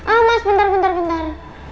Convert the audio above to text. ah mas bentar bentar